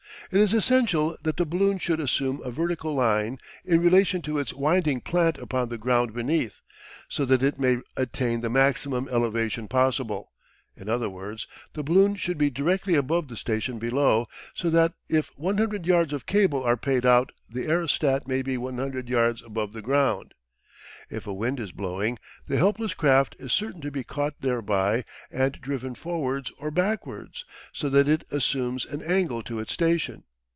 It is essential that the balloon should assume a vertical line in relation to its winding plant upon the ground beneath, so that it may attain the maximum elevation possible: in other words, the balloon should be directly above the station below, so that if 100 yards of cable are paid out the aerostat may be 100 yards above the ground. If a wind is blowing, the helpless craft is certain to be caught thereby and driven forwards or backwards, so that it assumes an angle to its station.